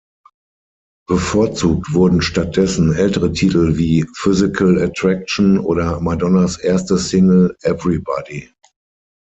Bevorzugt wurden stattdessen ältere Titel wie "Physical Attraction" oder Madonnas erste Single "Everybody".